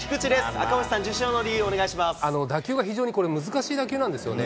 赤星さん、受賞の理由をお願いし打球が非常にこれ、難しい打球なんですよね。